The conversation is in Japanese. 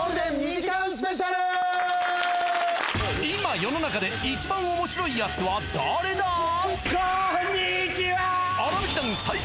今世の中で一番面白いやつは誰だ？